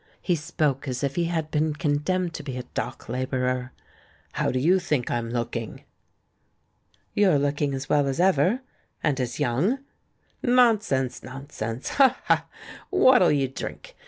He spoke as if he had been condemned to be a dock labourer. "How do you think I'm looking?" "You're looking as well as ever — and as young." "Nonsense, nonsense! Ha! ha! What'll you drink?